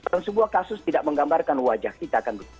dan sebuah kasus tidak menggambarkan wajah kita